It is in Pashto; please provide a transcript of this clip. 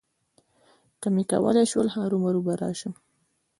که مې کولای شول، هرومرو به راشم.